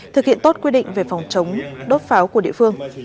thực hiện tốt quy định về phòng chống đốt pháo của địa phương